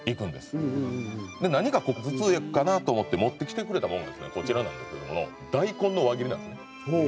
で何か頭痛薬かなと思って持ってきてくれたものがですねこちらなんですけど大根の輪切りなんです。